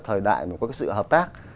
thời đại mà có cái sự hợp tác